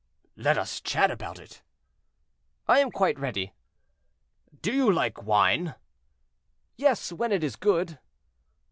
"Let us chat about it." "I am quite ready." "Do you like wine?" "Yes, when it is good."